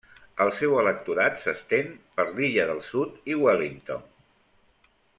El seu electorat s'estén per l'illa del Sud i Wellington.